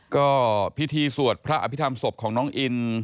ก็พิธีสวดพระอภิษฐรรมศพของน้องอิน